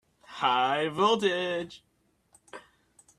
High voltage!